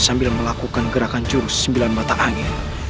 sambil melakukan gerakan jurus sembilan mata angin